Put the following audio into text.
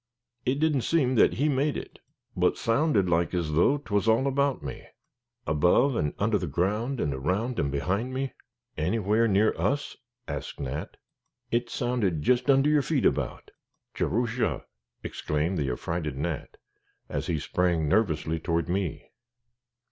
It didn't seem that he made it, but sounded like as though 'twas all about me, above and under the ground, and around and behind me." "Anywhere near us?" asked Nat. "It sounded jist under your feet about." "Jerusha!" exclaimed the affrighted Nat, as he sprang nervously toward me.